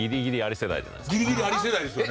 ギリギリであり世代ですよね。